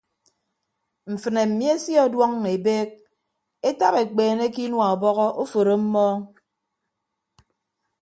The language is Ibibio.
Mfịnne mmi esie ọduọñọ ebeek etap ekpeene ke inua ọbọhọ oforo mmọọñ.